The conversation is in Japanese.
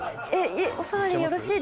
お触りよろしいですか？